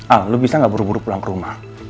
ah lu bisa gak buru buru pulang ke rumah